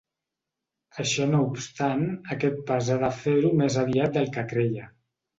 Això no obstant, aquest pas ha de fer-ho més aviat del que creia.